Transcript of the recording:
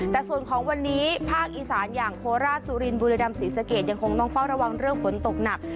แต่ส่วนของวันนี้ภาคอีสานอย่างโคราชสุรินบุรีดำศรีสะเกดยังคงต้องเฝ้าระวังเรื่องฝนตกหนัก